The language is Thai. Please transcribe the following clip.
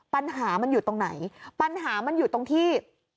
ปัญหามันอยู่ตรงไหนปัญหามันอยู่ตรงที่